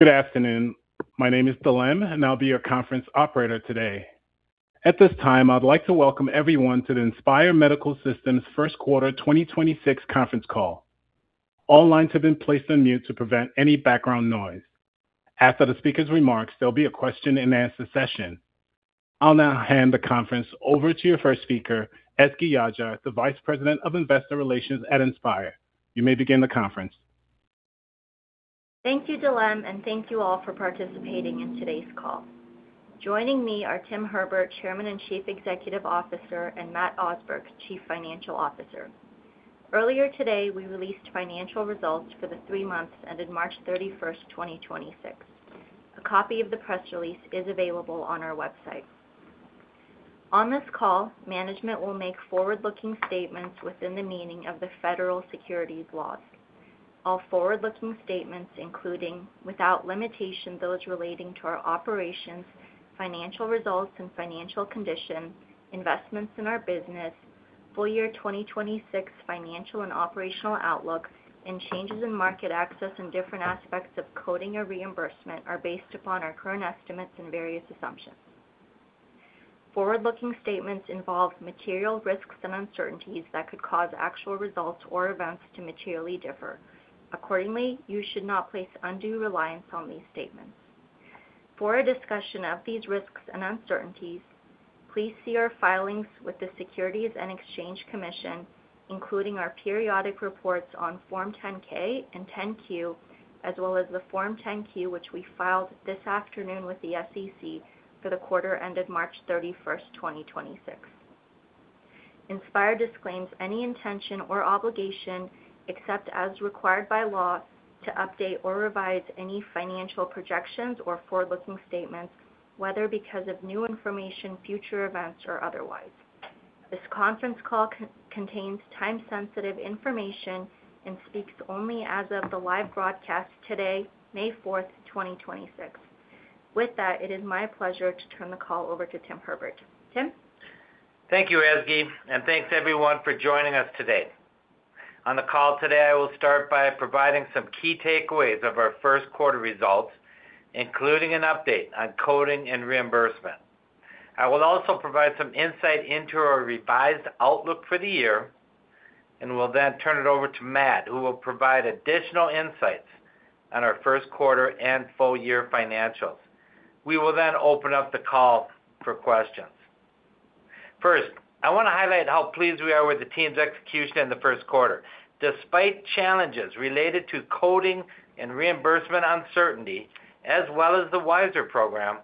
Good afternoon. My name is [Delemm], I'll be your conference operator today. At this time, I'd like to welcome everyone to the Inspire Medical Systems first quarter 2026 conference call. All lines have been placed on mute to prevent any background noise. After the speaker's remarks, there'll be a question-and-answer session. I'll now hand the conference over to your first speaker, Ezgi Yagci, the Vice President of Investor Relations at Inspire. You may begin the conference. Thank you, [Delemm], thank you all for participating in today's call. Joining me are Tim Herbert, Chairman and Chief Executive Officer, and Matt Osberg, Chief Financial Officer. Earlier today, we released financial results for the three months ended March 31st, 2026. A copy of the press release is available on our website. On this call, management will make forward-looking statements within the meaning of the federal securities laws. All forward-looking statements, including, without limitation, those relating to our operations, financial results and financial condition, investments in our business, full year 2026 financial and operational outlook, and changes in market access and different aspects of coding or reimbursement, are based upon our current estimates and various assumptions. Forward-looking statements involve material risks and uncertainties that could cause actual results or events to materially differ. Accordingly, you should not place undue reliance on these statements. For a discussion of these risks and uncertainties, please see our filings with the Securities and Exchange Commission, including our periodic reports on Form 10-K and 10-Q, as well as the Form 10-Q, which we filed this afternoon with the SEC for the quarter ended March 31st, 2026. Inspire disclaims any intention or obligation, except as required by law, to update or revise any financial projections or forward-looking statements, whether because of new information, future events, or otherwise. This conference call contains time-sensitive information and speaks only as of the live broadcast today, May 4th, 2026. With that, it is my pleasure to turn the call over to Tim Herbert. Tim? Thank you, Ezgi. Thanks everyone for joining us today. On the call today, I will start by providing some key takeaways of our first quarter results, including an update on coding and reimbursement. I will also provide some insight into our revised outlook for the year. I will then turn it over to Matt, who will provide additional insights on our first quarter and full year financials. We will open up the call for questions. First, I wanna highlight how pleased we are with the team's execution in the first quarter. Despite challenges related to coding and reimbursement uncertainty, as well as the WISeR program,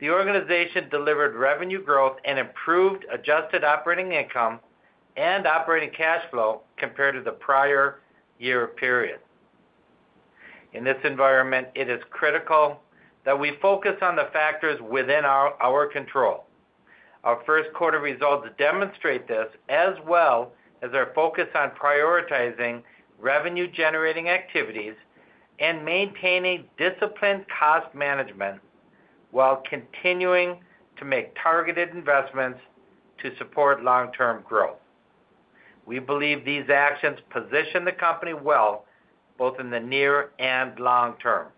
the organization delivered revenue growth and improved adjusted operating income and operating cash flow compared to the prior year period. In this environment, it is critical that we focus on the factors within our control. Our first quarter results demonstrate this, as well as our focus on prioritizing revenue-generating activities and maintaining disciplined cost management while continuing to make targeted investments to support long-term growth. We believe these actions position the company well, both in the near and long term.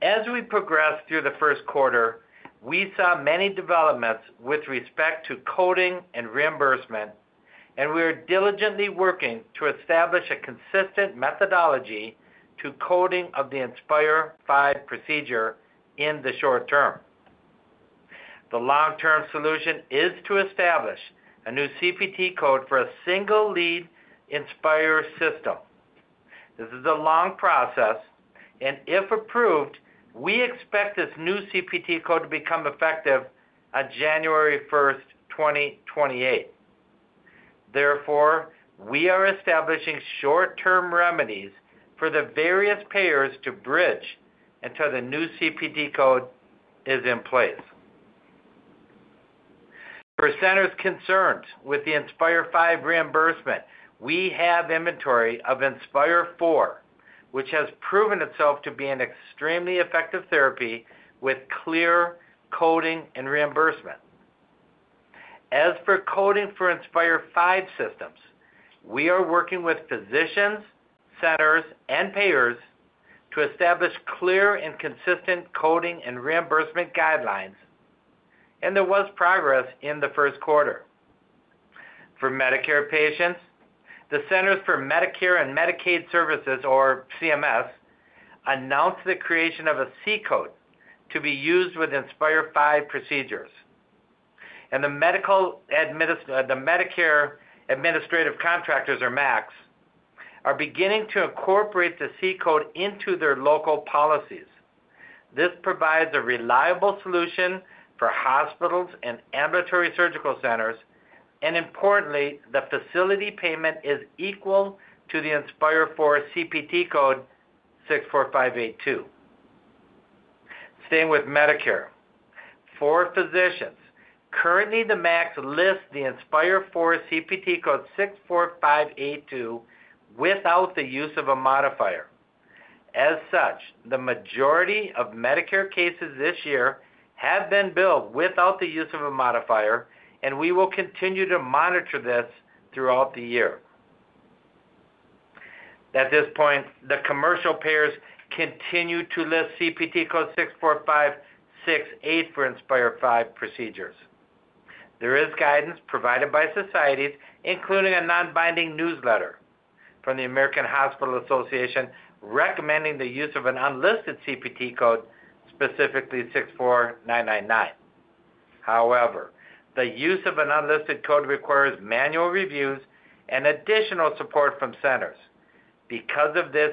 As we progressed through the first quarter, we saw many developments with respect to coding and reimbursement, and we are diligently working to establish a consistent methodology to coding of the Inspire V procedure in the short term. The long-term solution is to establish a new CPT code for a single-lead Inspire system. This is a long process, and if approved, we expect this new CPT code to become effective on January 1st, 2028. Therefore, we are establishing short-term remedies for the various payers to bridge until the new CPT code is in place. For centers concerned with the Inspire V reimbursement, we have inventory of Inspire IV, which has proven itself to be an extremely effective therapy with clear coding and reimbursement. As for coding for Inspire V systems, we are working with physicians, centers, and payers to establish clear and consistent coding and reimbursement guidelines, and there was progress in the first quarter. For Medicare patients, the Centers for Medicare & Medicaid Services, or CMS, announced the creation of a C-code to be used with Inspire V procedures. The Medicare Administrative Contractors, or MACs, are beginning to incorporate the C-code into their local policies. This provides a reliable solution for hospitals and ambulatory surgical centers. Importantly, the facility payment is equal to the Inspire IV CPT code 64582. Staying with Medicare, for physicians, currently, the MACs list the Inspire IV CPT code 64582 without the use of a modifier. The majority of Medicare cases this year have been billed without the use of a modifier, and we will continue to monitor this throughout the year. At this point, the commercial payers continue to list CPT code 64568 for Inspire V procedures. There is guidance provided by societies, including a non-binding newsletter from the American Hospital Association recommending the use of an unlisted CPT code, specifically 64999. The use of an unlisted code requires manual reviews and additional support from centers.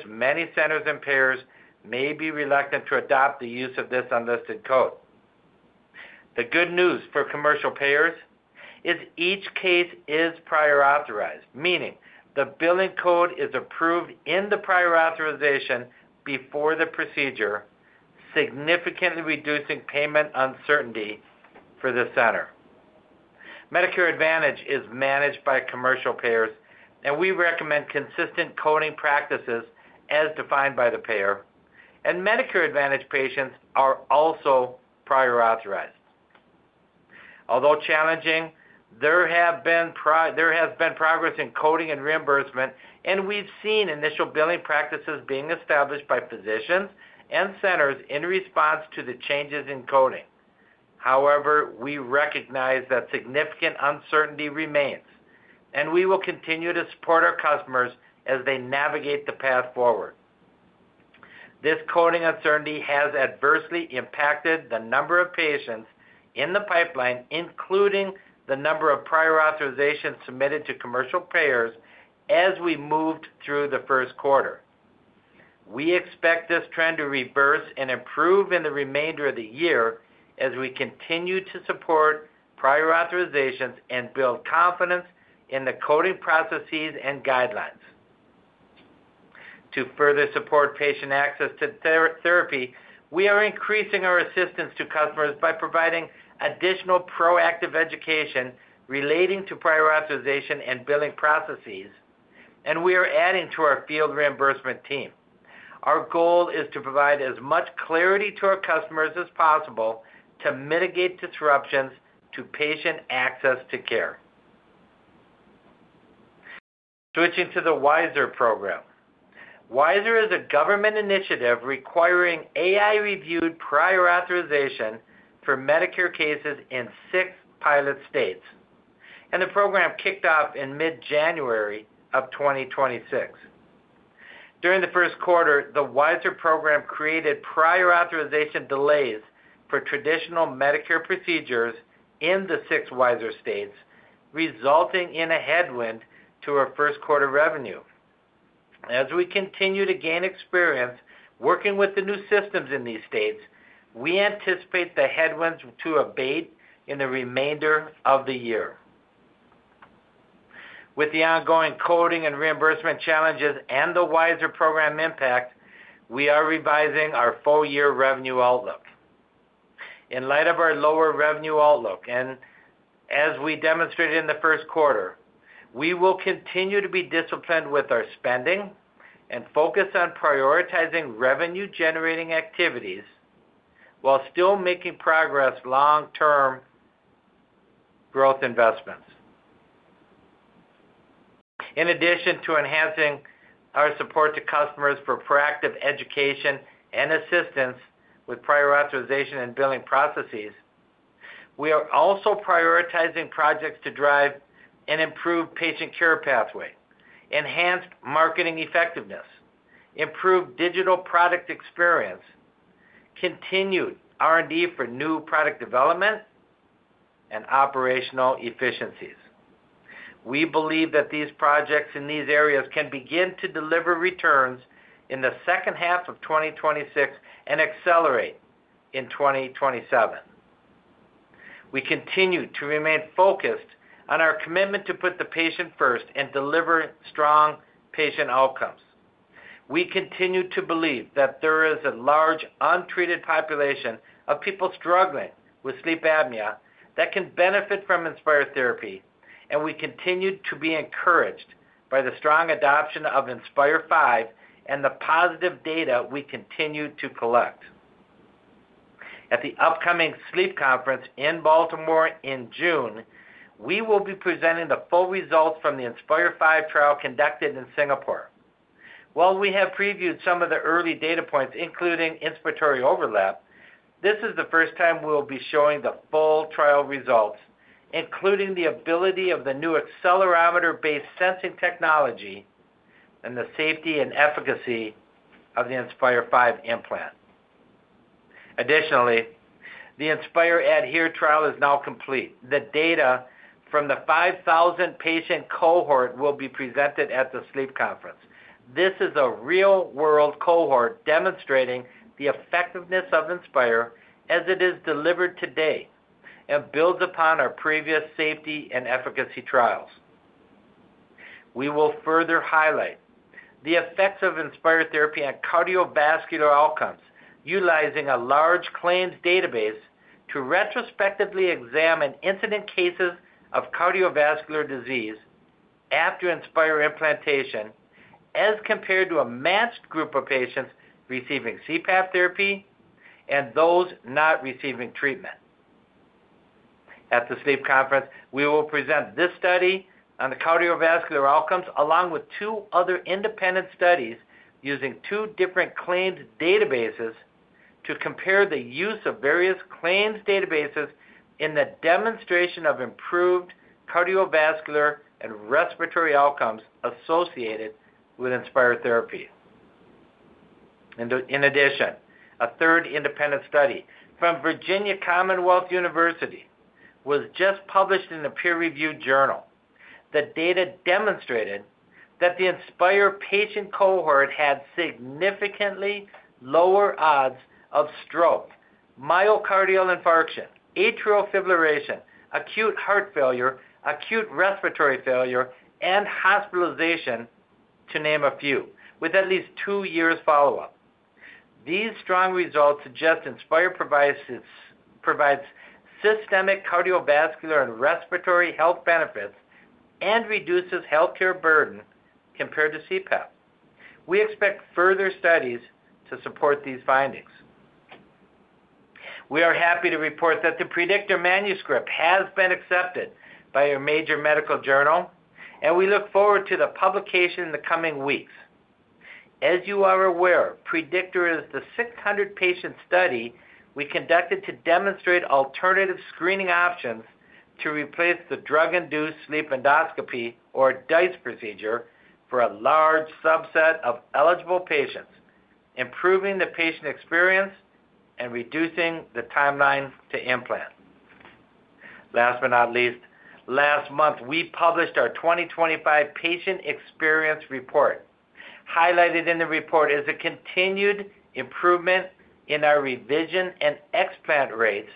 Many centers and payers may be reluctant to adopt the use of this unlisted code. The good news for commercial payers is each case is prior authorized, meaning the billing code is approved in the prior authorization before the procedure, significantly reducing payment uncertainty for the center. We recommend consistent coding practices as defined by the payer, Medicare Advantage patients are also prior authorized. Although challenging, there has been progress in coding and reimbursement, We've seen initial billing practices being established by physicians and centers in response to the changes in coding. However, we recognize that significant uncertainty remains, We will continue to support our customers as they navigate the path forward. This coding uncertainty has adversely impacted the number of patients in the pipeline, including the number of prior authorizations submitted to commercial payers as we moved through the first quarter. We expect this trend to reverse and improve in the remainder of the year as we continue to support prior authorizations and build confidence in the coding processes and guidelines. To further support patient access to therapy, we are increasing our assistance to customers by providing additional proactive education relating to prior authorization and billing processes, and we are adding to our field reimbursement team. Our goal is to provide as much clarity to our customers as possible to mitigate disruptions to patient access to care. Switching to the WISeR program. WISeR is a government initiative requiring AI-reviewed prior authorization for Medicare cases in six pilot states, and the program kicked off in mid-January of 2026. During the first quarter, the WISeR program created prior authorization delays for traditional Medicare procedures in the six WISeR states, resulting in a headwind to our first quarter revenue. As we continue to gain experience working with the new systems in these states, we anticipate the headwinds to abate in the remainder of the year. With the ongoing coding and reimbursement challenges and the WISeR program impact, we are revising our full-year revenue outlook. In light of our lower revenue outlook, and as we demonstrated in the first quarter, we will continue to be disciplined with our spending and focus on prioritizing revenue-generating activities while still making progress long-term growth investments. In addition to enhancing our support to customers for proactive education and assistance with prior authorization and billing processes, we are also prioritizing projects to drive and improve patient care pathway, enhanced marketing effectiveness, improved digital product experience, continued R&D for new product development, and operational efficiencies. We believe that these projects in these areas can begin to deliver returns in the second half of 2026 and accelerate in 2027. We continue to remain focused on our commitment to put the patient first and deliver strong patient outcomes. We continue to believe that there is a large untreated population of people struggling with sleep apnea that can benefit from Inspire therapy, and we continue to be encouraged by the strong adoption of Inspire V and the positive data we continue to collect. At the upcoming SLEEP 2026 in Baltimore in June, we will be presenting the full results from the Inspire V trial conducted in Singapore. While we have previewed some of the early data points, including inspiratory overlap, this is the first time we will be showing the full trial results, including the ability of the new accelerometer-based sensing technology and the safety and efficacy of the Inspire V implant. Additionally, the Inspire ADHERE trial is now complete. The data from the 5,000 patient cohort will be presented at SLEEP Conference. This is a real-world cohort demonstrating the effectiveness of Inspire as it is delivered today and builds upon our previous safety and efficacy trials. We will further highlight the effects of Inspire therapy on cardiovascular outcomes utilizing a large claims database to retrospectively examine incident cases of cardiovascular disease after Inspire implantation as compared to a matched group of patients receiving CPAP therapy and those not receiving treatment. At the sleep conference, we will present this study on the cardiovascular outcomes along with two other independent studies using two different claims databases to compare the use of various claims databases in the demonstration of improved cardiovascular and respiratory outcomes associated with Inspire therapy. In addition, a third independent study from Virginia Commonwealth University was just published in a peer-reviewed journal. The data demonstrated that the Inspire patient cohort had significantly lower odds of stroke, myocardial infarction, atrial fibrillation, acute heart failure, acute respiratory failure, and hospitalization, to name a few, with at least two years follow-up. These strong results suggest Inspire provides systemic cardiovascular and respiratory health benefits and reduces healthcare burden compared to CPAP. We expect further studies to support these findings. We are happy to report that the PREDICTOR manuscript has been accepted by a major medical journal, and we look forward to the publication in the coming weeks. As you are aware, PREDICTOR is the 600 patient study we conducted to demonstrate alternative screening options to replace the drug-induced sleep endoscopy, or DISE procedure, for a large subset of eligible patients, improving the patient experience and reducing the timeline to implant. Last but not least, last month, we published our 2025 patient experience report. Highlighted in the report is a continued improvement in our revision and explant rates,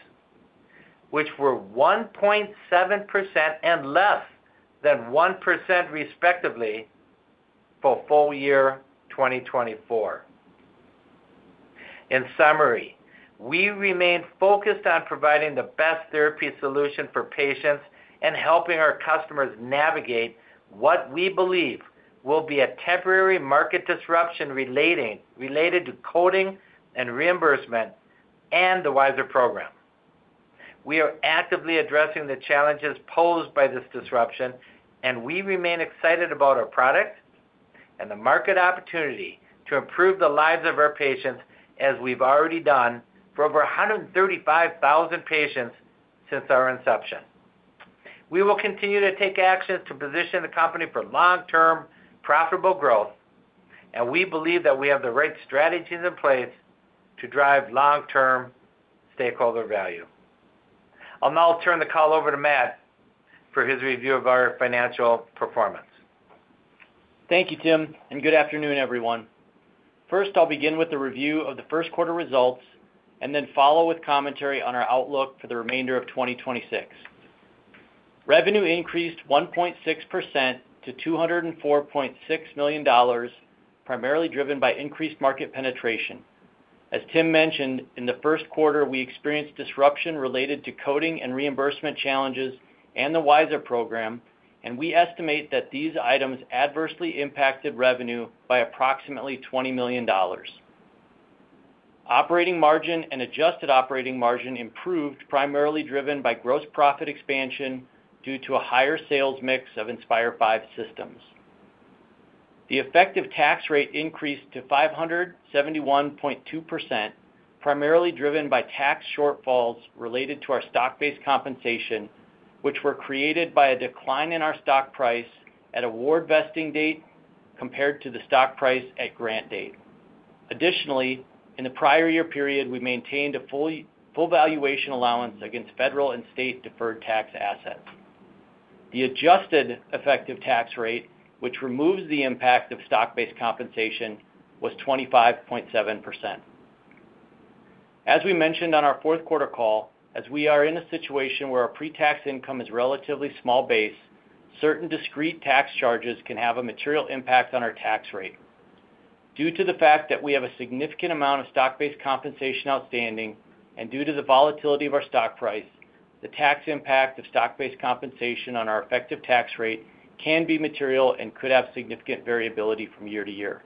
which were 1.7% and less than 1% respectively for full year 2024. In summary, we remain focused on providing the best therapy solution for patients and helping our customers navigate what we believe will be a temporary market disruption related to coding and reimbursement and the WISeR program. We are actively addressing the challenges posed by this disruption, and we remain excited about our product and the market opportunity to improve the lives of our patients as we've already done for over 135,000 patients since our inception. We will continue to take actions to position the company for long-term profitable growth, and we believe that we have the right strategies in place to drive long-term stakeholder value. I'll now turn the call over to Matt for his review of our financial performance. Thank you, Tim, and good afternoon, everyone. First, I'll begin with the review of the first quarter results and then follow with commentary on our outlook for the remainder of 2026. Revenue increased 1.6% to $204.6 million, primarily driven by increased market penetration. As Tim mentioned, in the first quarter, we experienced disruption related to coding and reimbursement challenges and the WISeR program, and we estimate that these items adversely impacted revenue by approximately $20 million. Operating margin and adjusted operating margin improved primarily driven by gross profit expansion due to a higher sales mix of Inspire V systems. The effective tax rate increased to 571.2%, primarily driven by tax shortfalls related to our stock-based compensation, which were created by a decline in our stock price at award vesting date compared to the stock price at grant date. Additionally, in the prior year period, we maintained a full valuation allowance against federal and state deferred tax assets. The adjusted effective tax rate, which removes the impact of stock-based compensation, was 25.7%. As we mentioned on our fourth quarter call, as we are in a situation where our pre-tax income is relatively small base, certain discrete tax charges can have a material impact on our tax rate. Due to the fact that we have a significant amount of stock-based compensation outstanding and due to the volatility of our stock price, the tax impact of stock-based compensation on our effective tax rate can be material and could have significant variability from year to year.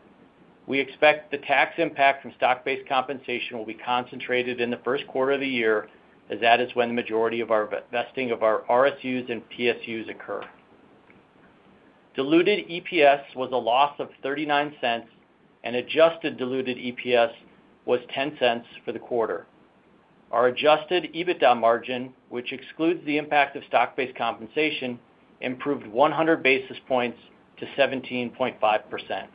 We expect the tax impact from stock-based compensation will be concentrated in the first quarter of the year as that is when the majority of our vesting of our RSUs and PSUs occur. Diluted EPS was a loss of $0.39 and adjusted diluted EPS was $0.10 for the quarter. Our adjusted EBITDA margin, which excludes the impact of stock-based compensation, improved 100 basis points to 17.5%.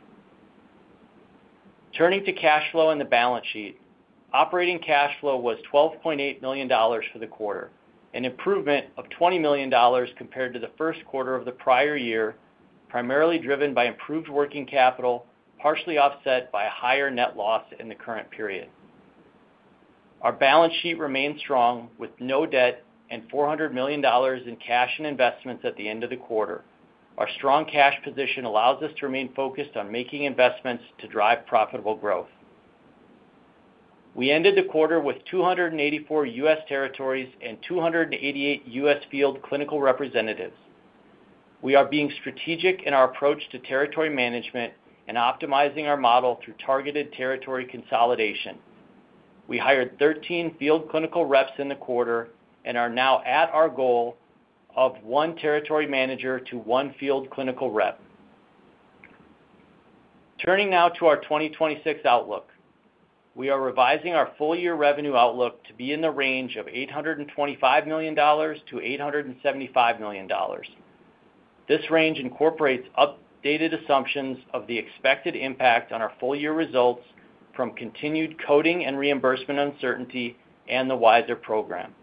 Turning to cash flow and the balance sheet. Operating cash flow was $12.8 million for the quarter, an improvement of $20 million compared to the first quarter of the prior year, primarily driven by improved working capital, partially offset by a higher net loss in the current period. Our balance sheet remains strong with no debt and $400 million in cash and investments at the end of the quarter. Our strong cash position allows us to remain focused on making investments to drive profitable growth. We ended the quarter with 284 U.S. territories and 288 U.S. field clinical representatives. We are being strategic in our approach to territory management and optimizing our model through targeted territory consolidation. We hired 13 field clinical reps in the quarter and are now at our goal of one territory manager to one field clinical rep. Turning now to our 2026 outlook. We are revising our full year revenue outlook to be in the range of $825 million-$875 million. This range incorporates updated assumptions of the expected impact on our full year results from continued coding and reimbursement uncertainty and the WISeR program.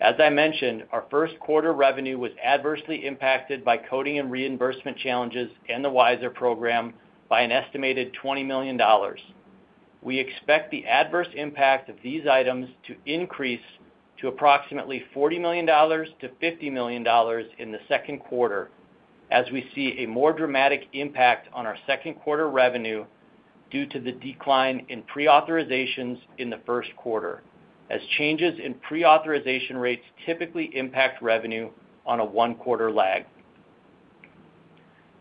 As I mentioned, our first quarter revenue was adversely impacted by coding and reimbursement challenges in the WISeR program by an estimated $20 million. We expect the adverse impact of these items to increase to approximately $40 million-$50 million in the second quarter as we see a more dramatic impact on our second quarter revenue due to the decline in pre-authorizations in the first quarter, as changes in pre-authorization rates typically impact revenue on a one-quarter lag.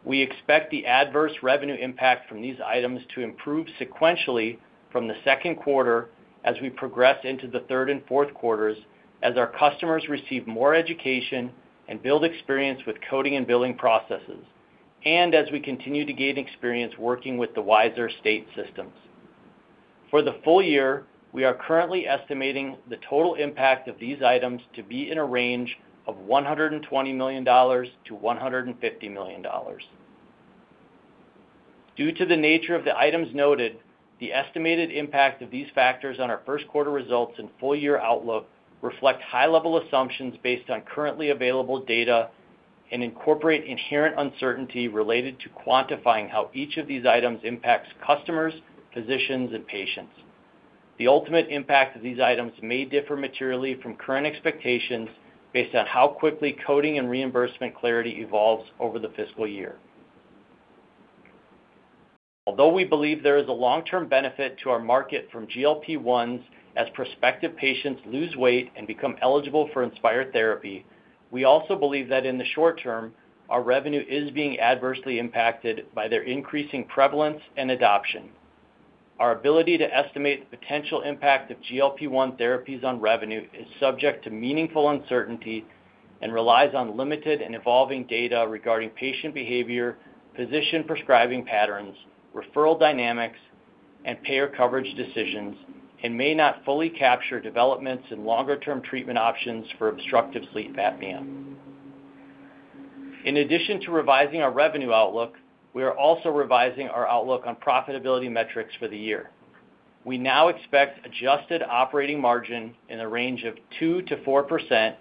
We expect the adverse revenue impact from these items to improve sequentially from the second quarter as we progress into the third and fourth quarters as our customers receive more education and build experience with coding and billing processes, and as we continue to gain experience working with the WISeR state systems. For the full year, we are currently estimating the total impact of these items to be in a range of $120 million-$150 million. Due to the nature of the items noted, the estimated impact of these factors on our first quarter results and full year outlook reflect high level assumptions based on currently available data and incorporate inherent uncertainty related to quantifying how each of these items impacts customers, physicians, and patients. The ultimate impact of these items may differ materially from current expectations based on how quickly coding and reimbursement clarity evolves over the fiscal year. Although we believe there is a long-term benefit to our market from GLP-1s as prospective patients lose weight and become eligible for Inspire therapy, we also believe that in the short term, our revenue is being adversely impacted by their increasing prevalence and adoption. Our ability to estimate the potential impact of GLP-1 therapies on revenue is subject to meaningful uncertainty and relies on limited and evolving data regarding patient behavior, physician prescribing patterns, referral dynamics, and payer coverage decisions, and may not fully capture developments in longer term treatment options for obstructive sleep apnea. In addition to revising our revenue outlook, we are also revising our outlook on profitability metrics for the year. We now expect adjusted operating margin in the range of 2%-4%,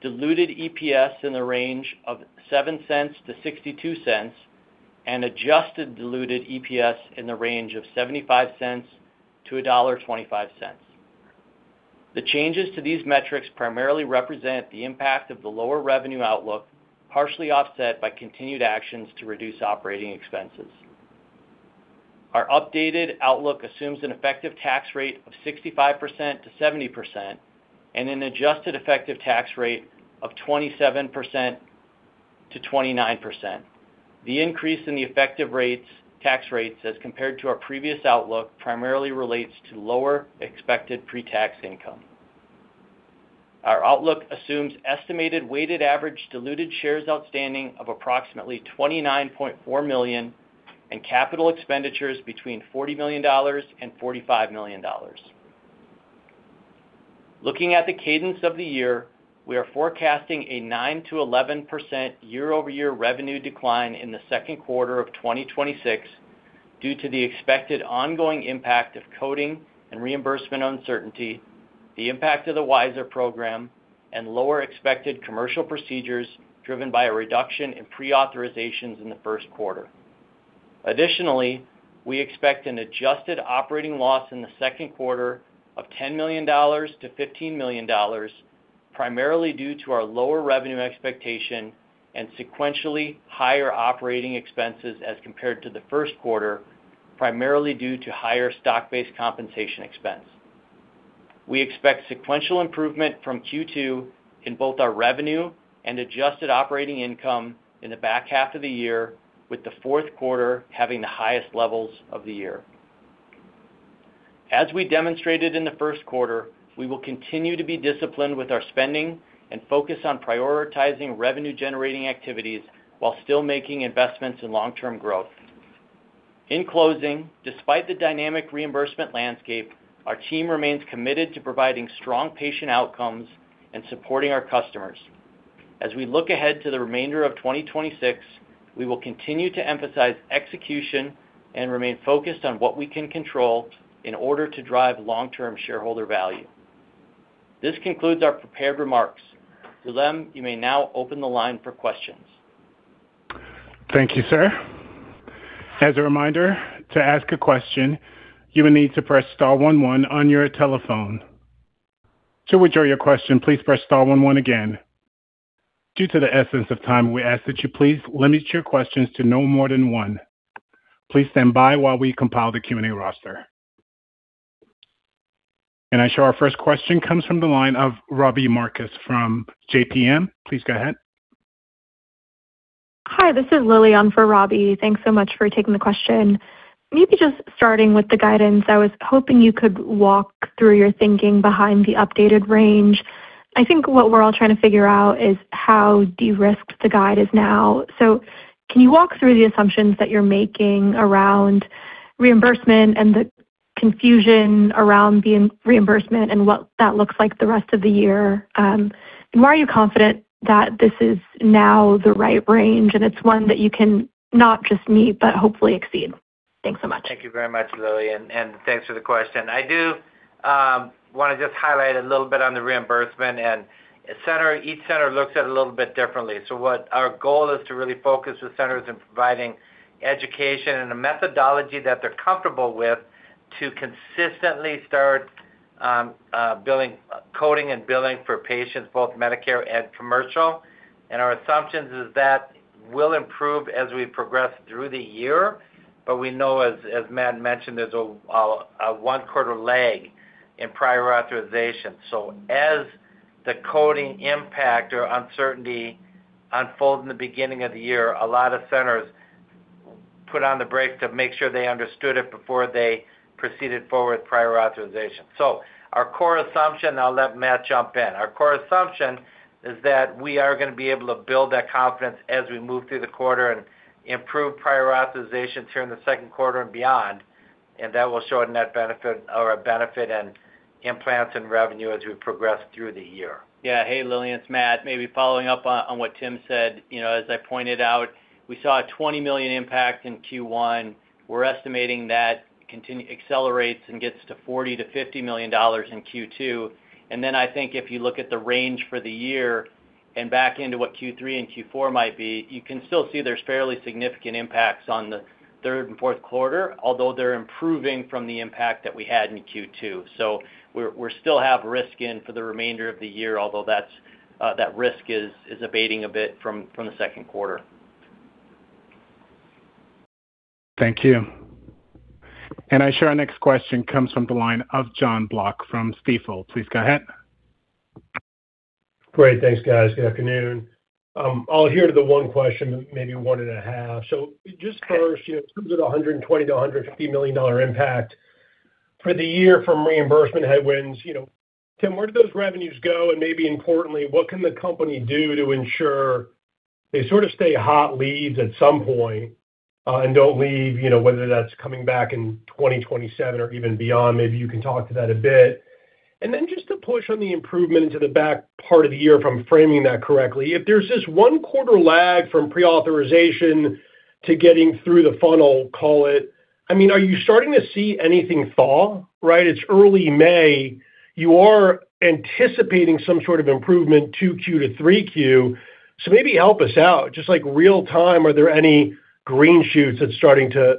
diluted EPS in the range of $0.07-$0.62, and adjusted diluted EPS in the range of $0.75-$1.25. The changes to these metrics primarily represent the impact of the lower revenue outlook, partially offset by continued actions to reduce operating expenses. Our updated outlook assumes an effective tax rate of 65%-70% and an adjusted effective tax rate of 27%-29%. The increase in the effective tax rates as compared to our previous outlook primarily relates to lower expected pre-tax income. Our outlook assumes estimated weighted average diluted shares outstanding of approximately 29.4 million and capital expenditures between $40 million and $45 million. Looking at the cadence of the year, we are forecasting a 9%-11% year-over-year revenue decline in the second quarter of 2026 due to the expected ongoing impact of coding and reimbursement uncertainty, the impact of the WISeR program, and lower expected commercial procedures driven by a reduction in pre-authorizations in the first quarter. Additionally, we expect an adjusted operating loss in the second quarter of $10 million-$15 million, primarily due to our lower revenue expectation and sequentially higher operating expenses as compared to the first quarter, primarily due to higher stock-based compensation expense. We expect sequential improvement from Q2 in both our revenue and adjusted operating income in the back half of the year, with the fourth quarter having the highest levels of the year. As we demonstrated in the first quarter, we will continue to be disciplined with our spending and focus on prioritizing revenue generating activities while still making investments in long-term growth. In closing, despite the dynamic reimbursement landscape, our team remains committed to providing strong patient outcomes and supporting our customers. As we look ahead to the remainder of 2026, we will continue to emphasize execution and remain focused on what we can control in order to drive long-term shareholder value. This concludes our prepared remarks. [Delemm], you may now open the line for questions. Thank you, sir. As a reminder, to ask a question, you will need to press star one one on your telephone. To withdraw your question, please press star one one again. Due to the essence of time, we ask that you please limit your questions to no more than one. Please stand by while we compile the Q&A roster. I show our first question comes from the line of Robbie Marcus from JPM. Please go ahead. Hi, this is Lilia on for Robbie. Thanks so much for taking the question. Just starting with the guidance, I was hoping you could walk through your thinking behind the updated range. I think what we're all trying to figure out is how de-risked the guide is now. Can you walk through the assumptions that you're making around reimbursement and the confusion around the reimbursement and what that looks like the rest of the year? Why are you confident that this is now the right range, and it's one that you can not just meet, but hopefully exceed? Thanks so much. Thank you very much, Lilia, and thanks for the question. I do wanna just highlight a little bit on the reimbursement. Each center looks at it a little bit differently. What our goal is to really focus the centers in providing education and a methodology that they're comfortable with to consistently start coding and billing for patients, both Medicare and commercial. Our assumptions is that will improve as we progress through the year. We know as Matt mentioned, there's a one-quarter lag in prior authorization. As the coding impact or uncertainty unfold in the beginning of the year, a lot of centers put on the brakes to make sure they understood it before they proceeded forward with prior authorization. Our core assumption, and I'll let Matt jump in, our core assumption is that we are going to be able to build that confidence as we move through the quarter and improve prior authorization during the second quarter and beyond, and that will show a net benefit or a benefit in implants and revenue as we progress through the year. Yeah. Hey, Lilia, it's Matt. Maybe following up on what Tim said. You know, as I pointed out, we saw a $20 million impact in Q1. We're estimating that accelerates and gets to $40 million-$50 million in Q2. Then I think if you look at the range for the year and back into what Q3 and Q4 might be, you can still see there's fairly significant impacts on the third and fourth quarter, although they're improving from the impact that we had in Q2. We still have risk in for the remainder of the year, although that's, that risk is abating a bit from the second quarter. Thank you. I show our next question comes from the line of Jon Block from Stifel. Please go ahead. Great. Thanks, guys. Good afternoon. I'll adhere to the one question, maybe one and a half. Just first, you know, in terms of the $120 million-$150 million impact for the year from reimbursement headwinds, you know, Tim, where do those revenues go? Maybe importantly, what can the company do to ensure they sort of stay hot leads at some point and don't leave, you know, whether that's coming back in 2027 or even beyond. Maybe you can talk to that a bit. Then just to push on the improvement into the back part of the year, if I'm framing that correctly, if there's this one quarter lag from pre-authorization to getting through the funnel, call it, I mean, are you starting to see anything thaw, right? It's early May. You are anticipating some sort of improvement 2Q to 3Q. Maybe help us out. Just like real time, are there any green shoots that's starting to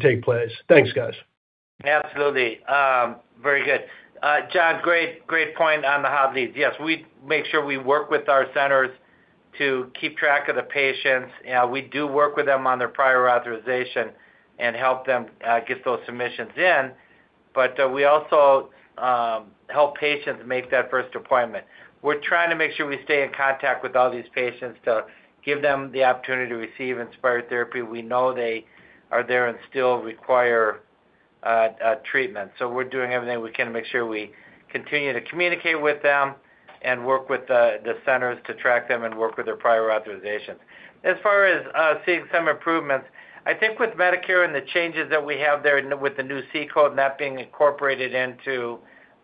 take place? Thanks, guys. Absolutely. Very good. Jon, great point on the hot leads. Yes, we make sure we work with our centers to keep track of the patients. We do work with them on their prior authorization and help them get those submissions in. We also help patients make that first appointment. We're trying to make sure we stay in contact with all these patients to give them the opportunity to receive Inspire therapy. We know they are there and still require treatment. We're doing everything we can to make sure we continue to communicate with them and work with the centers to track them and work with their prior authorizations. As far as seeing some improvements, I think with Medicare and the changes that we have there with the new C-code and that being incorporated into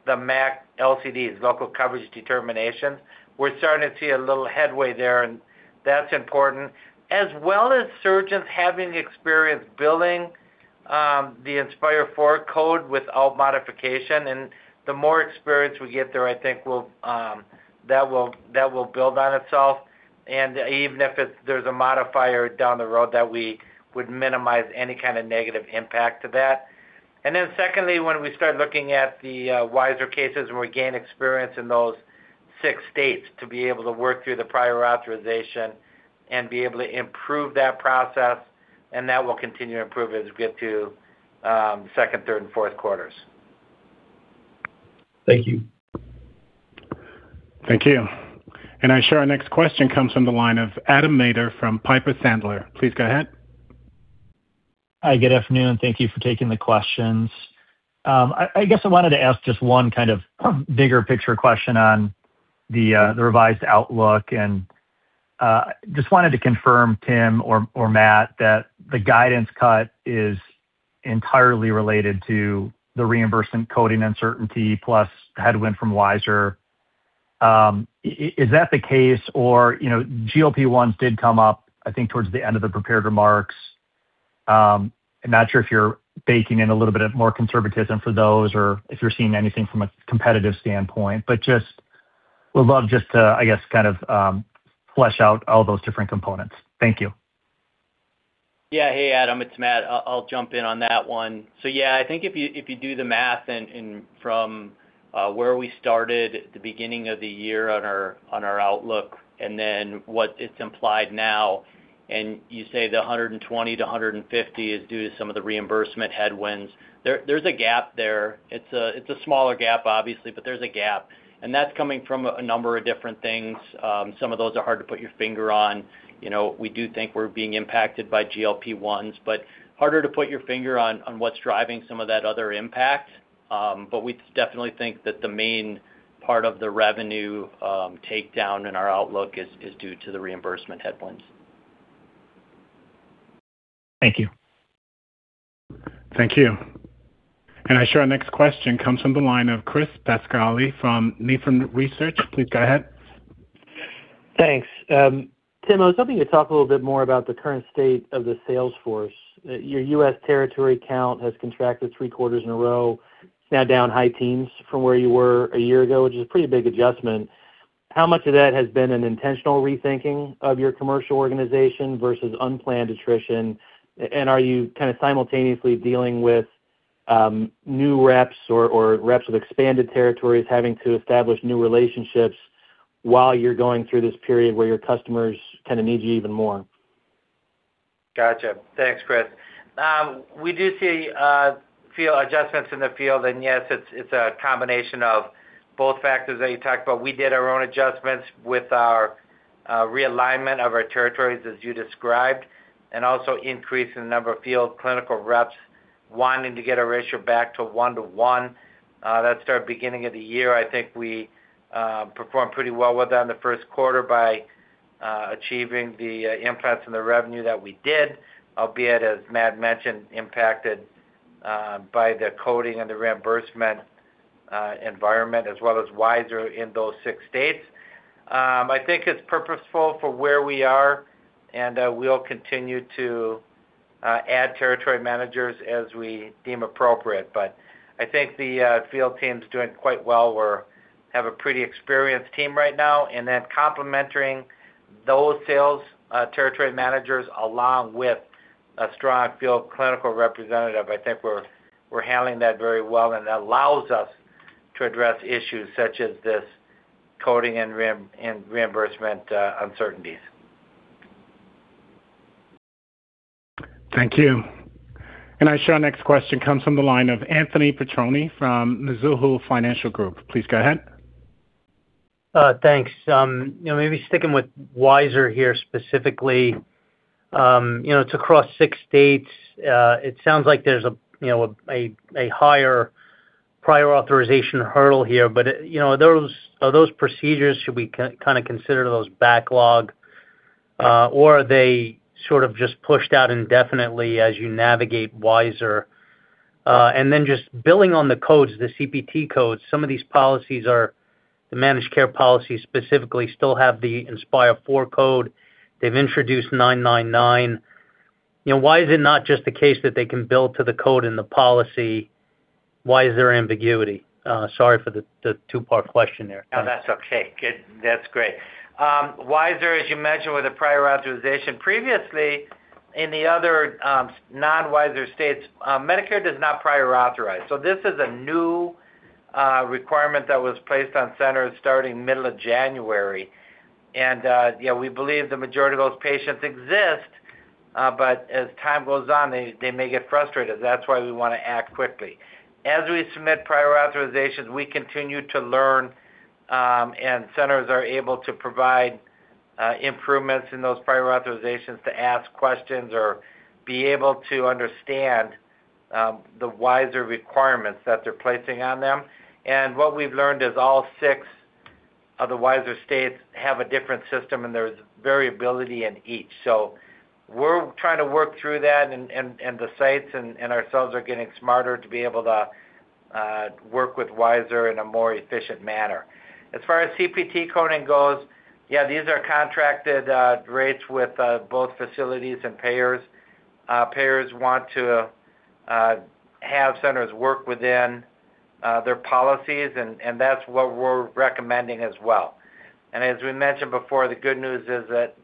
the MAC LCDs, Local Coverage Determinations, we're starting to see a little headway there, and that's important. As well as surgeons having experience billing the Inspire IV code without modification. The more experience we get there, I think we'll, that will build on itself. Even if there's a modifier down the road that we would minimize any kind of negative impact to that. Secondly, when we start looking at the WISeR cases, when we gain experience in those 6 states to be able to work through the prior authorization and be able to improve that process, and that will continue to improve as we get to 2nd, 3rd, and 4th quarters. Thank you. Thank you. I show our next question comes from the line of Adam Maeder from Piper Sandler. Please go ahead. Hi. Good afternoon. Thank you for taking the questions. I guess I wanted to ask just one kind of bigger picture question on the revised outlook. Just wanted to confirm, Tim or Matt, that the guidance cut is entirely related to the reimbursement coding uncertainty plus headwind from WISeR. Is that the case? Or, you know, GLP-1s did come up, I think, towards the end of the prepared remarks. I'm not sure if you're baking in a little bit of more conservatism for those or if you're seeing anything from a competitive standpoint. Just would love just to, I guess, kind of, flesh out all those different components. Thank you. Yeah. Hey, Adam. It's Matt. I'll jump in on that one. I think if you do the math and from where we started at the beginning of the year on our outlook and then what it's implied now. You say the 120-150 is due to some of the reimbursement headwinds. There's a gap there. It's a smaller gap obviously, but there's a gap. That's coming from a number of different things. Some of those are hard to put your finger on. You know, we do think we're being impacted by GLP-1s, but harder to put your finger on what's driving some of that other impact. But we definitely think that the main part of the revenue, takedown in our outlook is due to the reimbursement headwinds. Thank you. Thank you. I show our next question comes from the line of Chris Pasquale from Nephron Research. Please go ahead. Thanks. Tim, I was hoping to talk a little bit more about the current state of the sales force. Your U.S. territory count has contracted three quarters in a row, now down high teens from where you were a year ago, which is a pretty big adjustment. How much of that has been an intentional rethinking of your commercial organization versus unplanned attrition? Are you kinda simultaneously dealing with new reps or reps with expanded territories having to establish new relationships while you're going through this period where your customers kinda need you even more? Gotcha. Thanks, Chris. We do see field adjustments in the field. Yes, it's a combination of both factors that you talked about. We did our own adjustments with our realignment of our territories, as you described, and also increase in the number of field clinical reps wanting to get our ratio back to 1/1. That started beginning of the year. I think we performed pretty well with that in the first quarter by achieving the implants and the revenue that we did, albeit, as Matt mentioned, impacted by the coding and the reimbursement environment as well as WISeR in those six states. I think it's purposeful for where we are, and we'll continue to add territory managers as we deem appropriate. I think the field team's doing quite well. We have a pretty experienced team right now. Complementing those sales territory managers along with a strong field clinical representative, I think we're handling that very well, and that allows us to address issues such as this coding and reimbursement uncertainties. Thank you. I show our next question comes from the line of Anthony Petrone from Mizuho Financial Group. Please go ahead. Thanks. You know, maybe sticking with WISeR here specifically, you know, it's across six states. It sounds like there's a, you know, a higher prior authorization hurdle here. You know, are those procedures, should we kinda consider those backlog, or are they sort of just pushed out indefinitely as you navigate WISeR? Just billing on the codes, the CPT codes, some of these policies are, the managed care policies specifically still have the Inspire IV code. They've introduced 64999. You know, why is it not just the case that they can bill to the code in the policy? Why is there ambiguity? Sorry for the two-part question there. No, that's okay. Good. That's great. WISeR, as you mentioned, with a prior authorization previously, in the other, non-WISeR states, Medicare does not prior authorize. This is a new requirement that was placed on centers starting middle of January. Yeah, we believe the majority of those patients exist, but as time goes on, they may get frustrated. That's why we wanna act quickly. As we submit prior authorizations, we continue to learn, and centers are able to provide improvements in those prior authorizations to ask questions or be able to understand the WISeR requirements that they're placing on them. What we've learned is all six of the WISeR states have a different system, and there's variability in each. We're trying to work through that and the sites and ourselves are getting smarter to be able to work with WISeR in a more efficient manner. As far as CPT coding goes, these are contracted rates with both facilities and payers. Payers want to have centers work within their policies, and that's what we're recommending as well. As we mentioned before, the good news is that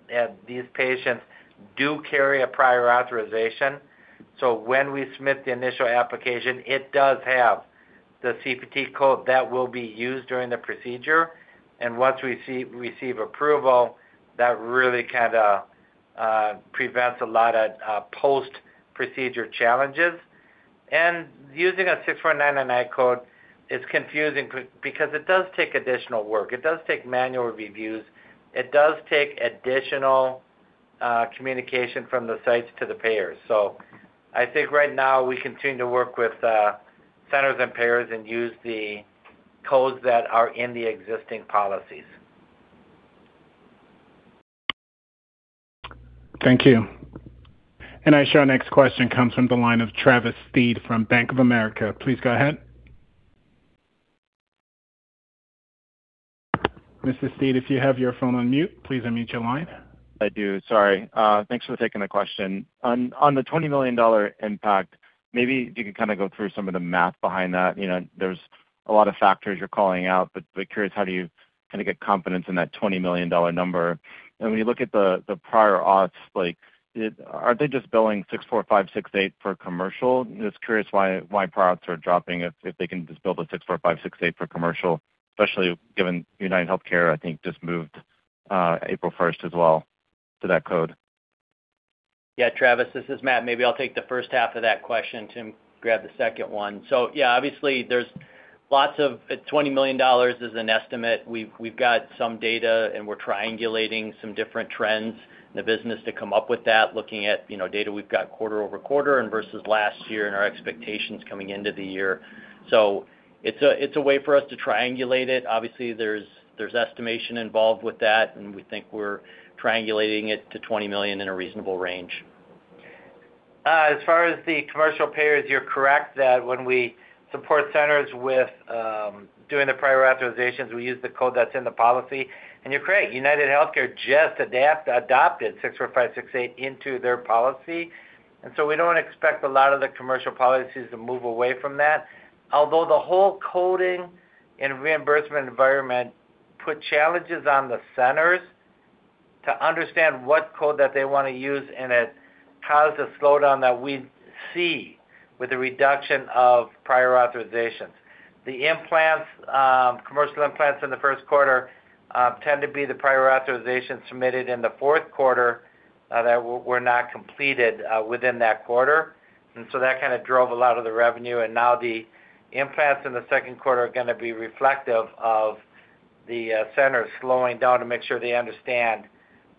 these patients do carry a prior authorization. When we submit the initial application, it does have the CPT code that will be used during the procedure. Once we receive approval, that really kind of prevents a lot of post-procedure challenges. Using a 64999 code is confusing because it does take additional work. It does take manual reviews. It does take additional communication from the sites to the payers. I think right now we continue to work with centers and payers and use the codes that are in the existing policies. Thank you. Our next question comes from the line of Travis Steed from Bank of America. Please go ahead. Mr. Steed, if you have your phone on mute, please unmute your line. I do. Sorry. Thanks for taking the question. On the $20 million impact, maybe if you could kind of go through some of the math behind that. You know, there's a lot of factors you're calling out, but we're curious, how do you kind of get confidence in that $20 million number? When you look at the prior auths, are they just billing 64568 for commercial? Just curious why products are dropping if they can just bill a 64568 for commercial, especially given UnitedHealthcare, I think, just moved April 1st as well to that code. Yeah, Travis, this is Matt. Maybe I'll take the first half of that question. Tim, grab the second one. Obviously, $20 million is an estimate. We've got some data, and we're triangulating some different trends in the business to come up with that, looking at, you know, data we've got quarter over quarter and versus last year and our expectations coming into the year. It's a way for us to triangulate it. Obviously, there's estimation involved with that, and we think we're triangulating it to $20 million in a reasonable range. As far as the commercial payers, you're correct that when we support centers with doing the prior authorizations, we use the code that's in the policy. You're correct, UnitedHealthcare just adopted 64568 into their policy. We don't expect a lot of the commercial policies to move away from that. Although the whole coding and reimbursement environment put challenges on the centers to understand what code that they want to use, and it causes a slowdown that we see with the reduction of prior authorizations. The implants, commercial implants in the first quarter, tend to be the prior authorizations submitted in the fourth quarter that were not completed within that quarter. That kind of drove a lot of the revenue. Now the implants in the second quarter are gonna be reflective of the centers slowing down to make sure they understand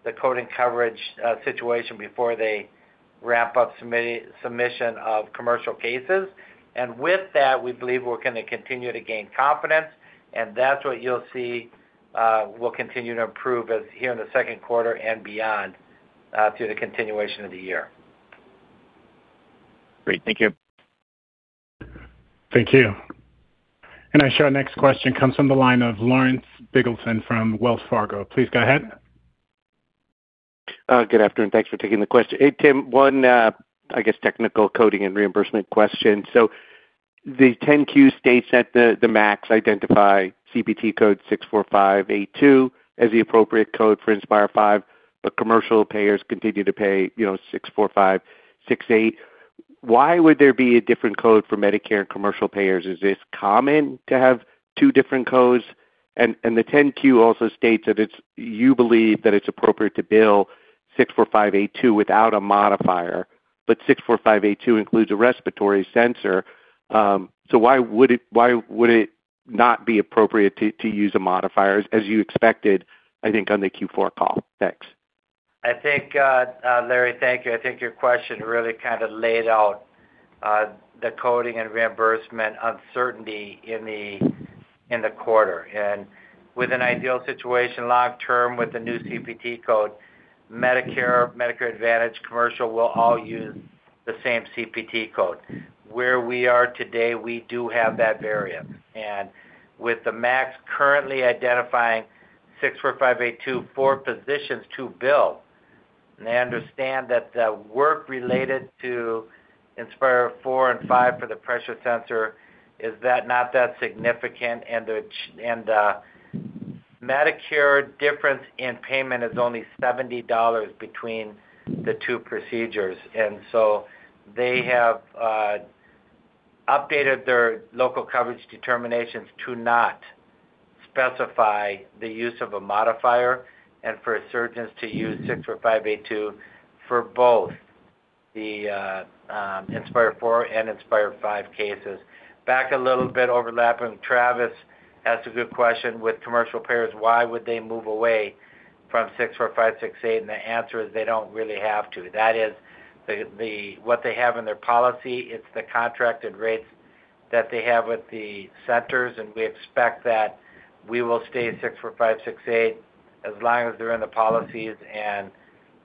the coding coverage situation before they wrap up submission of commercial cases. With that, we believe we're gonna continue to gain confidence, and that's what you'll see will continue to improve as here in the second quarter and beyond through the continuation of the year. Great. Thank you. Thank you. I show our next question comes from the line of Lawrence Biegelsen from Wells Fargo. Please go ahead. Good afternoon. Thanks for taking the question. Hey, Tim, one, I guess technical coding and reimbursement question. The 10-Q states that the MACs identify CPT code 64582 as the appropriate code for Inspire V, but commercial payers continue to pay, you know, 64568. Why would there be a different code for Medicare and commercial payers? Is this common to have two different codes? The 10-Q also states that you believe that it's appropriate to bill 64582 without a modifier, but 64582 includes a respiratory sensor. Why would it not be appropriate to use a modifier as you expected, I think, on the Q4 call? Thanks. I think Larry, thank you. I think your question really kinda laid out the coding and reimbursement uncertainty in the quarter. With an ideal situation long term with the new CPT code, Medicare Advantage commercial will all use the same CPT code. Where we are today, we do have that variance. With the MACs currently identifying 64582 for positions to bill, I understand that the work related to Inspire IV and V for the pressure sensor is that not that significant and the Medicare difference in payment is only $70 between the two procedures. They have updated their Local Coverage Determinations to not specify the use of a modifier and for surgeons to use 64582 for both the Inspire IV and Inspire V cases. Back a little bit overlapping, Travis asked a good question. With commercial payers, why would they move away from 64568? The answer is they don't really have to. That is the what they have in their policy. It's the contracted rates that they have with the centers, and we expect that we will stay at 64568 as long as they're in the policies and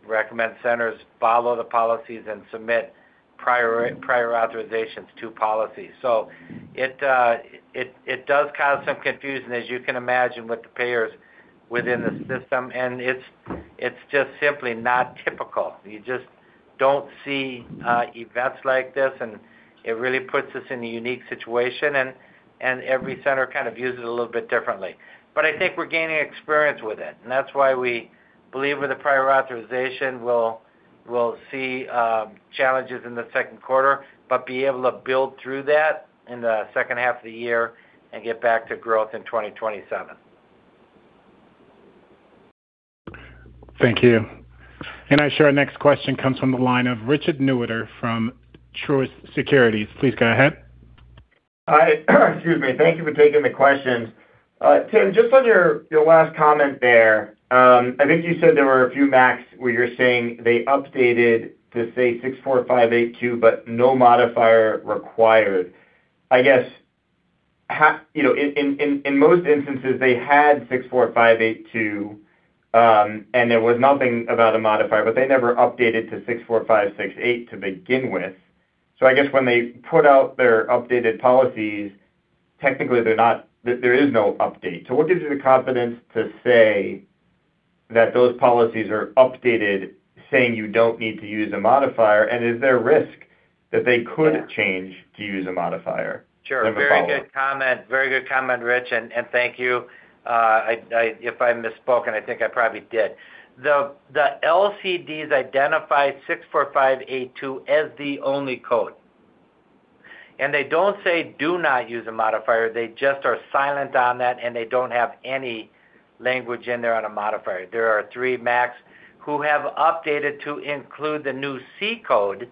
recommend centers follow the policies and submit prior authorizations to policies. It does cause some confusion, as you can imagine, with the payers within the system, and it's just simply not typical. You just don't see events like this, and it really puts us in a unique situation, and every center kind of uses it a little bit differently. I think we're gaining experience with it, and that's why we believe with the prior authorization we'll see challenges in the second quarter but be able to build through that in the second half of the year and get back to growth in 2027. Thank you. I show our next question comes from the line of Richard Newitter from Truist Securities. Please go ahead. Hi. Excuse me. Thank you for taking the questions. Tim, just on your last comment there, I think you said there were a few MACs where you're saying they updated to, say, 64582 but no modifier required. I guess you know, in most instances, they had 64582, and there was nothing about a modifier, but they never updated to 64568 to begin with. I guess when they put out their updated policies, technically they're not. There is no update. What gives you the confidence to say that those policies are updated saying you don't need to use a modifier, and is there risk that they could change to use a modifier? Sure. Very good comment. Very good comment, Richard, and thank you. If I misspoke, and I think I probably did. The LCDs identify 64582 as the only code, and they don't say, "Do not use a modifier." They just are silent on that, and they don't have any language in there on a modifier. There are three MACs who have updated to include the new C-code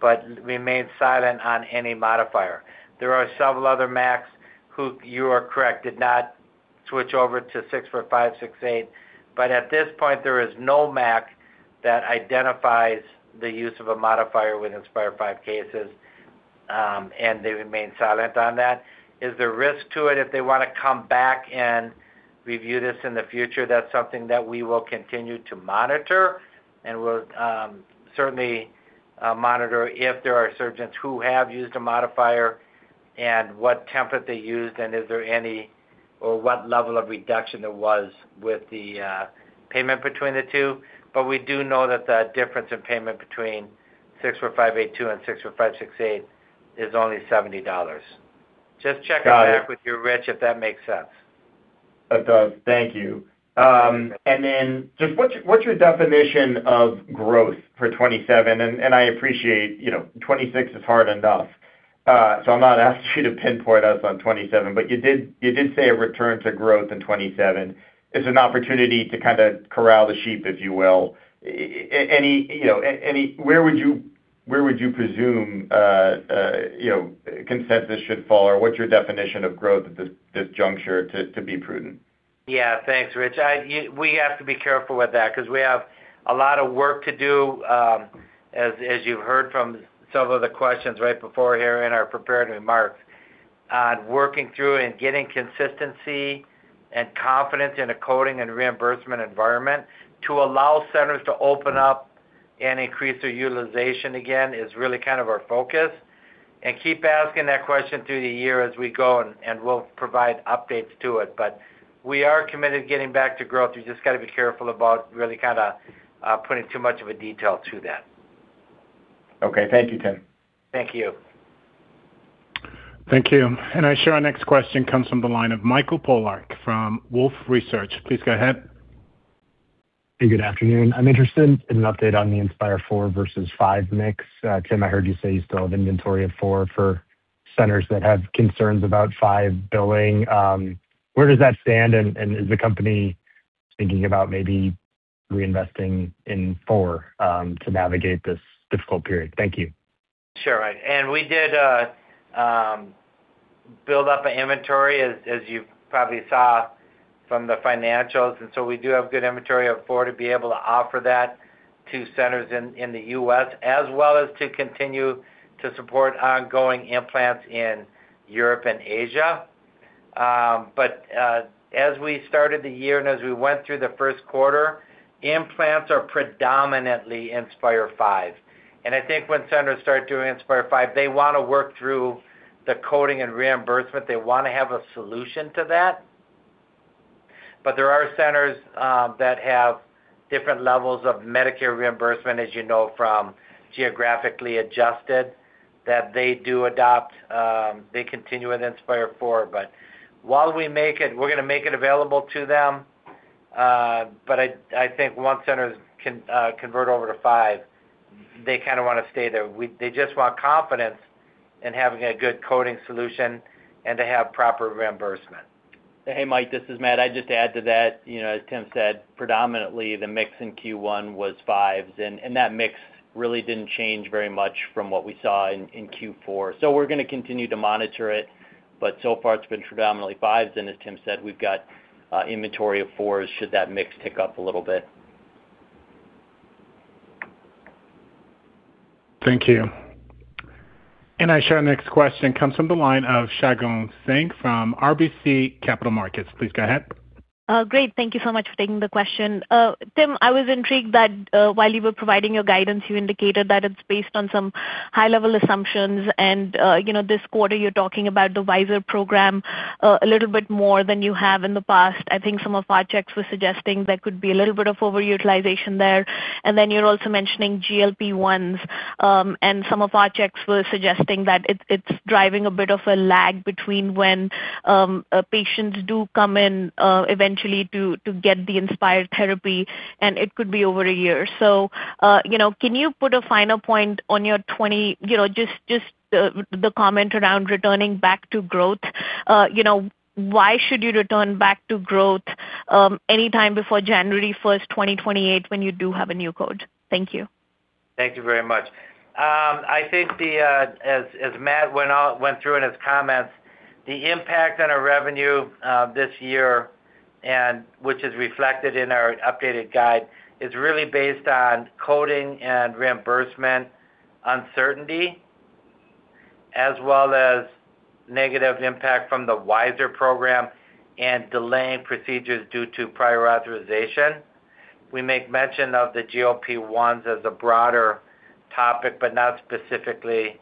but remain silent on any modifier. There are several other MACs who, you are correct, did not switch over to 64568. At this point, there is no MAC that identifies the use of a modifier with Inspire V cases, and they remain silent on that. Is there risk to it if they wanna come back and review this in the future? That's something that we will continue to monitor and will, certainly, monitor if there are surgeons who have used a modifier and what template they used and is there any or what level of reduction there was with the payment between the two. We do know that the difference in payment between 64582 and 64568 is only $70. Got it. Just check with you, Rich, if that makes sense. It does. Thank you. Just what's your definition of growth for 27? I appreciate, you know, 26 is hard enough, so I'm not asking you to pinpoint us on 27. You did say a return to growth in 27. It's an opportunity to kind of corral the sheep, if you will. Any, you know, where would you presume, you know, consensus should fall? What's your definition of growth at this juncture to be prudent? Yeah. Thanks, Rich. We have to be careful with that 'cause we have a lot of work to do, as you heard from some of the questions right before here in our prepared remarks on working through and getting consistency and confidence in a coding and reimbursement environment to allow centers to open up and increase their utilization again is really kind of our focus. Keep asking that question through the year as we go, and we'll provide updates to it. We are committed to getting back to growth. You just gotta be careful about really kinda putting too much of a detail to that. Okay. Thank you, Tim. Thank you. Thank you. Our next question comes from the line of Mike Polark from Wolfe Research. Please go ahead. Hey, good afternoon. I'm interested in an update on the Inspire IV versus Inspire V mix. Tim, I heard you say you still have inventory of Inspire IV for centers that have concerns about Inspire V billing. Where does that stand? Is the company thinking about maybe reinvesting in Inspire IV to navigate this difficult period? Thank you. Sure. We did build up an inventory as you probably saw from the financials. We do have good inventory of four to be able to offer that to centers in the U.S., as well as to continue to support ongoing implants in Europe and Asia. As we started the year and as we went through the first quarter, implants are predominantly Inspire V. I think when centers start doing Inspire V, they wanna work through the coding and reimbursement. They wanna have a solution to that. There are centers that have different levels of Medicare reimbursement, as you know, from geographically adjusted, that they do adopt, they continue with Inspire IV. While we make it, we're gonna make it available to them. I think once centers convert over to five, they kind of want to stay there. They just want confidence in having a good coding solution and to have proper reimbursement. Hey, Mike, this is Matt. I'd just add to that, you know, as Tim said, predominantly the mix in Q1 was fives, and that mix really didn't change very much from what we saw in Q4. We're gonna continue to monitor it, but so far it's been predominantly fives. As Tim said, we've got inventory of fours should that mix tick up a little bit. Thank you. Our next question comes from the line of Shagun Singh from RBC Capital Markets. Please go ahead. Great. Thank you so much for taking the question. Tim, I was intrigued that while you were providing your guidance, you indicated that it's based on some high level assumptions. You know, this quarter you're talking about the WISeR program a little bit more than you have in the past. I think some of our checks were suggesting there could be a little bit of overutilization there. You're also mentioning GLP-1s, and some of our checks were suggesting that it's driving a bit of a lag between when patients do come in eventually to get the Inspire therapy, and it could be over one year. You know, can you put a finer point on your 20. You know, just the comment around returning back to growth. You know, why should you return back to growth any time before January 1st, 2028, when you do have a new code? Thank you. Thank you very much. I think as Matt went through in his comments, the impact on our revenue this year and which is reflected in our updated guide, is really based on coding and reimbursement uncertainty, as well as negative impact from the WISeR program and delaying procedures due to prior authorization. We make mention of the GLP-1s as a broader topic, but not specifically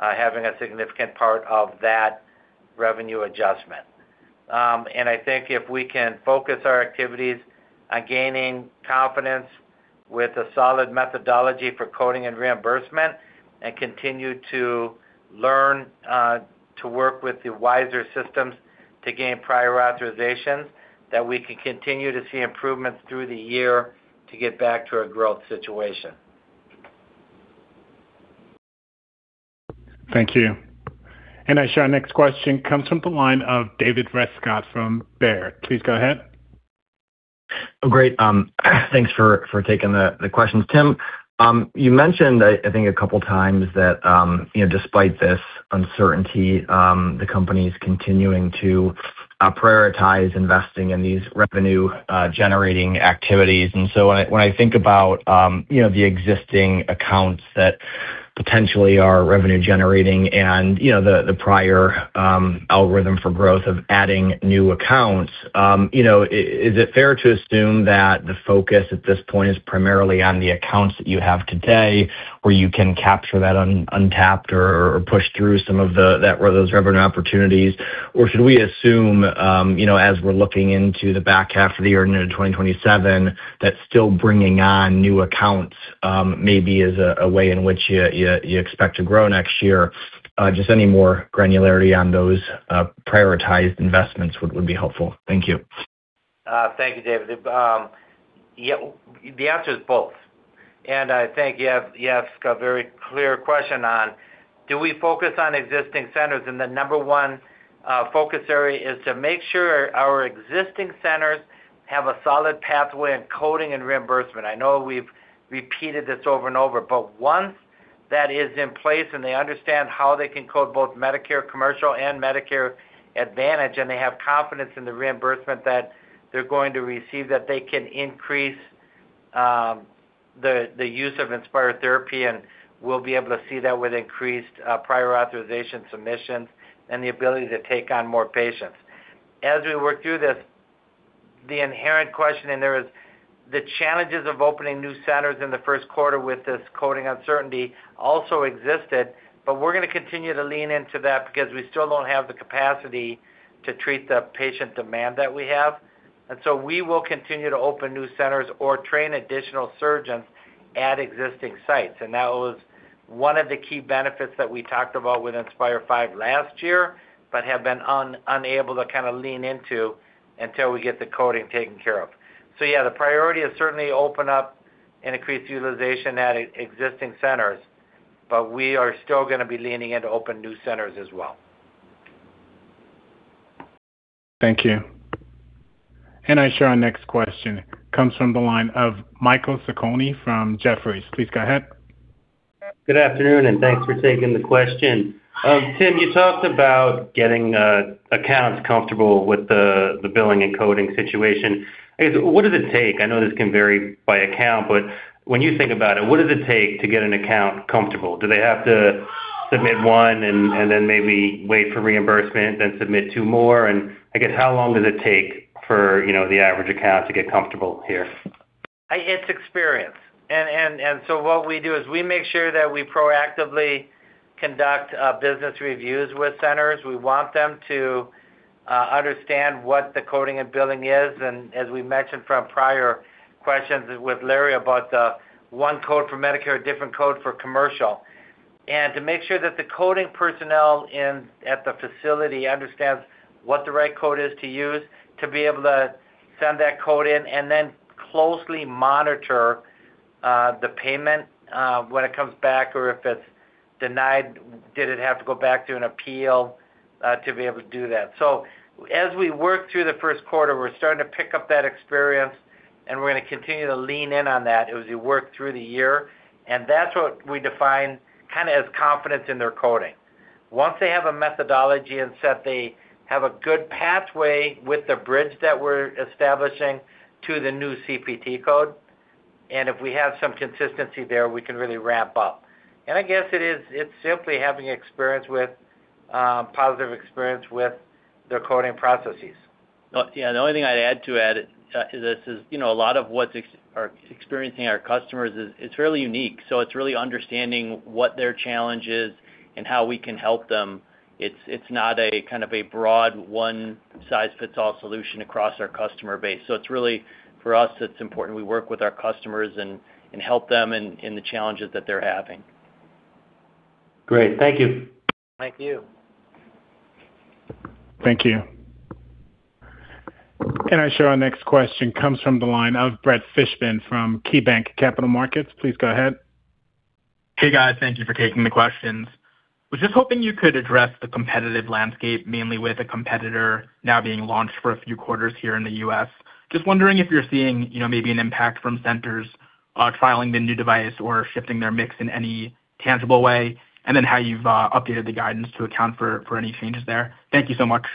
having a significant part of that revenue adjustment. I think if we can focus our activities on gaining confidence with a solid methodology for coding and reimbursement and continue to learn to work with the WISeR systems to gain prior authorizations, that we can continue to see improvements through the year to get back to a growth situation. Thank you. Our next question comes from the line of David Rescott from Baird. Please go ahead. Oh, great. Thanks for taking the questions. Tim, you mentioned I think a couple of times that, you know, despite this uncertainty, the company's continuing to prioritize investing in these revenue-generating activities. When I, when I think about, you know, the existing accounts that potentially are revenue-generating and, you know, the prior algorithm for growth of adding new accounts, is it fair to assume that the focus at this point is primarily on the accounts that you have today, where you can capture that untapped or push through some of those revenue opportunities? Should we assume, you know, as we're looking into the back half of the year and into 2027, that still bringing on new accounts, maybe is a way in which you expect to grow next year? Just any more granularity on those prioritized investments would be helpful. Thank you. Thank you, David. Yeah, the answer is both. I think you ask a very clear question on, do we focus on existing centers? The number one focus area is to make sure our existing centers have a solid pathway in coding and reimbursement. I know we've repeated this over and over, but once that is in place and they understand how they can code both Medicare commercial and Medicare Advantage, and they have confidence in the reimbursement that they're going to receive, that they can increase the use of Inspire therapy, and we'll be able to see that with increased prior authorization submissions and the ability to take on more patients. As we work through this, the inherent question in there is the challenges of opening new centers in the first quarter with this coding uncertainty also existed, but we're gonna continue to lean into that because we still don't have the capacity to treat the patient demand that we have. We will continue to open new centers or train additional surgeons at existing sites. That was one of the key benefits that we talked about with Inspire V last year, but have been unable to kinda lean into until we get the coding taken care of. Yeah, the priority is certainly open up and increase utilization at existing centers, but we are still gonna be leaning in to open new centers as well. Thank you. Our next question comes from the line of Michael Sarcone from Jefferies. Please go ahead. Good afternoon, and thanks for taking the question. Tim, you talked about getting accounts comfortable with the billing and coding situation. I guess, what does it take? I know this can vary by account, but when you think about it, what does it take to get an account comfortable? Do they have to submit one and then maybe wait for reimbursement, then submit two more? I guess, how long does it take for, you know, the average account to get comfortable here? It's experience. What we do is we make sure that we proactively conduct business reviews with centers. We want them to understand what the coding and billing is, and as we mentioned from prior questions with Larry about the one code for Medicare, different code for commercial. To make sure that the coding personnel at the facility understands what the right code is to use to be able to send that code in and then closely monitor the payment when it comes back or if it's denied, did it have to go back to an appeal to be able to do that. As we work through the first quarter, we're starting to pick up that experience, and we're gonna continue to lean in on that as we work through the year. That's what we define kinda as confidence in their coding. Once they have a methodology and have a good pathway with the bridge that we're establishing to the new CPT code, and if we have some consistency there, we can really ramp up. I guess it's simply having experience with positive experience with their coding processes. Yeah, the only thing I'd add to add to this is, you know, a lot of what's are experiencing our customers is, it's really unique. It's really understanding what their challenge is and how we can help them. It's not a, kind of a broad one-size-fits-all solution across our customer base. It's really, for us, it's important we work with our customers and help them in the challenges that they're having. Great. Thank you. Thank you. Thank you. I show our next question comes from the line of Brett Fishbin from KeyBanc Capital Markets. Please go ahead. Hey, guys. Thank you for taking the questions. Was just hoping you could address the competitive landscape, mainly with a competitor now being launched for a few quarters here in the U.S. Just wondering if you're seeing, you know, maybe an impact from centers filing the new device or shifting their mix in any tangible way, and then how you've updated the guidance to account for any changes there. Thank you so much.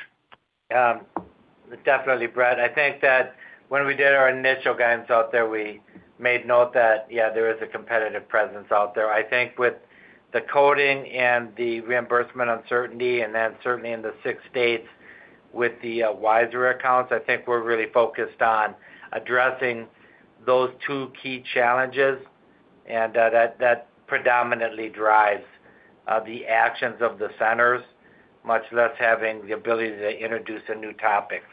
Definitely, Brett. I think that when we did our initial guidance out there, we made note that, yeah, there is a competitive presence out there. I think with the coding and the reimbursement uncertainty, and then certainly in the six states with the WISeR accounts, I think we're really focused on addressing those two key challenges. That, that predominantly drives the actions of the centers, much less having the ability to introduce a new topic.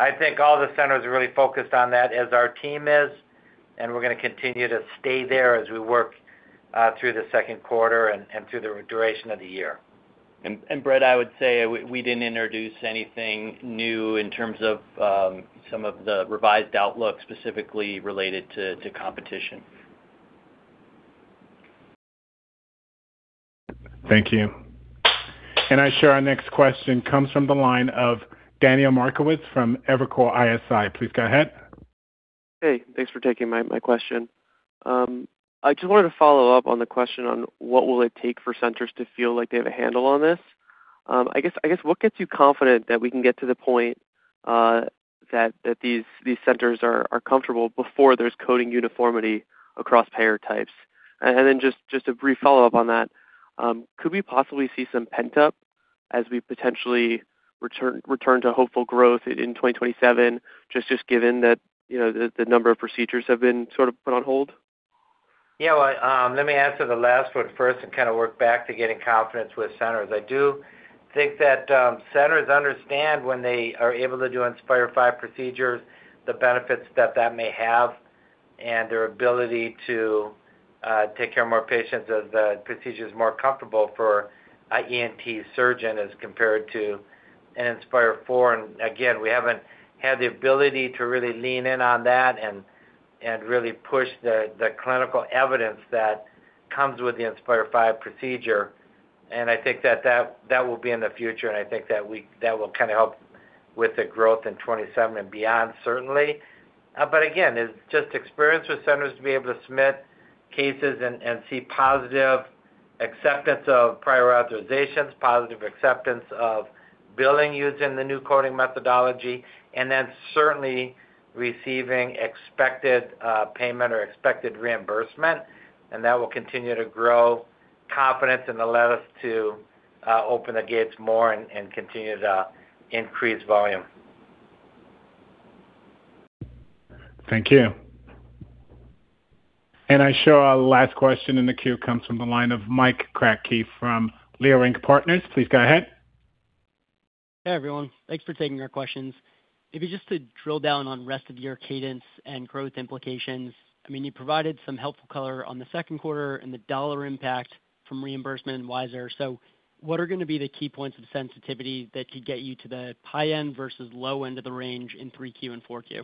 I think all the centers are really focused on that as our team is, and we're gonna continue to stay there as we work through the second quarter and through the duration of the year. Brett, I would say we didn't introduce anything new in terms of some of the revised outlooks specifically related to competition. Thank you. I show our next question comes from the line of Daniel Markowitz from Evercore ISI. Please go ahead. Hey, thanks for taking my question. I just wanted to follow up on the question on what will it take for centers to feel like they have a handle on this. I guess what gets you confident that we can get to the point that these centers are comfortable before there's coding uniformity across payer types? Then just a brief follow-up on that, could we possibly see some pent-up as we potentially return to hopeful growth in 2027, just given that, you know, the number of procedures have been sort of put on hold? Well, let me answer the last one first and kind of work back to getting confidence with centers. I do think that centers understand when they are able to do Inspire V procedures, the benefits that that may have, and their ability to take care of more patients as the procedure is more comfortable for an ENT surgeon as compared to an Inspire IV. Again, we haven't had the ability to really lean in on that and really push the clinical evidence that comes with the Inspire V procedure. I think that will be in the future, and I think that will kinda help with the growth in 2027 and beyond certainly. Again, it's just experience with centers to be able to submit cases and see positive acceptance of prior authorizations, positive acceptance of billing using the new coding methodology, and then certainly receiving expected payment or expected reimbursement. That will continue to grow confidence and allow us to open the gates more and continue to increase volume. Thank you. I show our last question in the queue comes from the line of Mike Kratky from Leerink Partners. Please go ahead. Hey, everyone. Thanks for taking our questions. Just to drill down on rest of year cadence and growth implications, I mean, you provided some helpful color on the second quarter and the dollar impact from reimbursement and WISeR. What are going to be the key points of sensitivity that could get you to the high end versus low end of the range in 3Q and 4Q?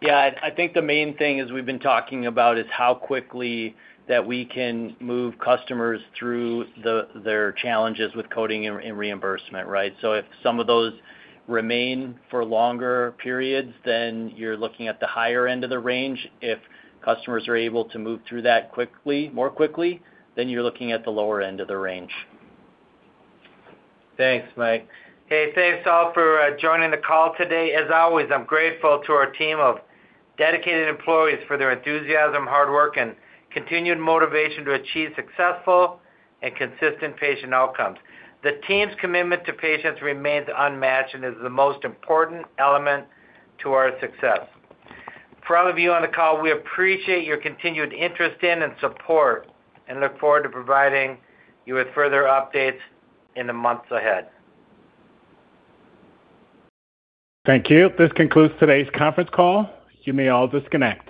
Yeah. I think the main thing, as we've been talking about, is how quickly that we can move customers through their challenges with coding and reimbursement, right? If some of those remain for longer periods, then you're looking at the higher end of the range. If customers are able to move through that quickly, more quickly, then you're looking at the lower end of the range. Thanks, Mike. Hey, thanks all for joining the call today. As always, I'm grateful to our team of dedicated employees for their enthusiasm, hard work, and continued motivation to achieve successful and consistent patient outcomes. The team's commitment to patients remains unmatched and is the most important element to our success. For all of you on the call, we appreciate your continued interest in and support and look forward to providing you with further updates in the months ahead. Thank you. This concludes today's conference call. You may all disconnect.